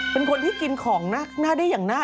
เป็นคนที่กินของหน้าได้อย่างน่า